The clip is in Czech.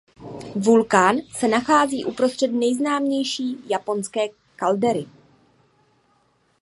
Vulkán se nachází uprostřed nejznámější japonské kaldery.